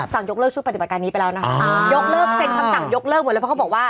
สั่งยกเลิกชุดปฏิบัติการนี้ไปแล้วนะ